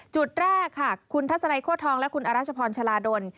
จุดแรกค่ะคุณทัศนัยโค้ทองและคุณอรัชพรชลาดล